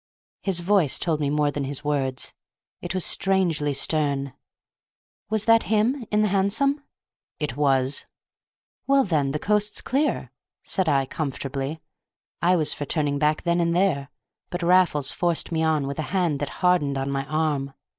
His voice told me more than his words. It was strangely stern. "Was that him—in the hansom?" "It was." "Well, then, the coast's clear," said I, comfortably. I was for turning back then and there, but Raffles forced me on with a hand that hardened on my arm.